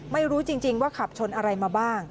ไม่รู้จริงว่าขับชนอะไรมาบ้าง